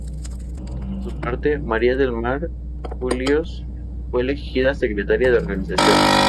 Por su parte, María del Mar Julios fue elegida secretaria de organización.